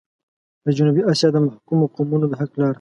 د جنوبي اسيا د محکومو قومونو د حق لپاره.